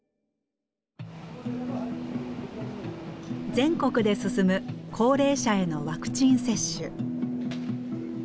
全国で進む高齢者へのワクチン接種。